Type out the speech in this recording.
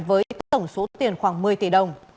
với tổng số tiền khoảng một mươi tỷ đồng